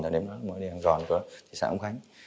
ở đếm đó nghĩa địa hàng gòn của xã hồng khánh